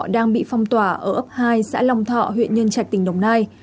đang bị phong tỏa ở ấp hai xã long thọ huyện nhân trạch tỉnh đồng nai